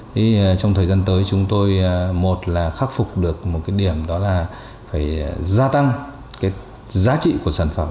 thế trong thời gian tới chúng tôi một là khắc phục được một cái điểm đó là phải gia tăng cái giá trị của sản phẩm